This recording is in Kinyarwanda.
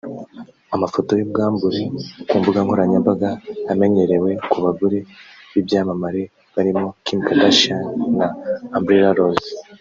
Amafoto y’ubwambure ku mbuga nkoranyambaga amenyerewe ku bagore b’ibyamamare barimo Kim Kardashian na Amber Rose